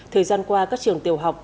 thời gian qua các trường tiểu học